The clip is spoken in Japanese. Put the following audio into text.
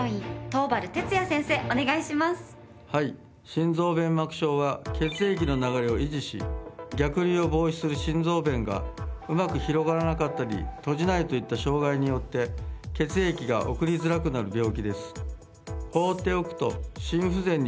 心臓弁膜症は血液の流れを維持し逆流を防止する心臓弁がうまく広がらなかったり閉じないといった障害によって血液が送りづらくなる病気です。